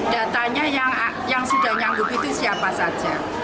datanya yang sudah nyanggup itu siapa saja